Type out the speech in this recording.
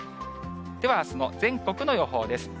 では、あすの全国の予報です。